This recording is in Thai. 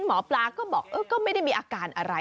หมอปลาก็บอกก็ไม่ได้มีอาการอะไร